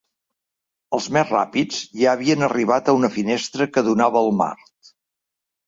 Els més ràpids ja havien arribat a una finestra que donava al mar.